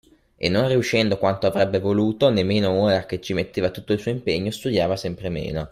E non riuscendo quanto avrebbe voluto, né meno ora che ci metteva tutto il suo impegno, studiava sempre meno!